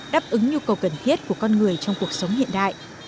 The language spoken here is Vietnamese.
đáp ứng nhu cầu cần thiết của con người trong cuộc sống hiện đại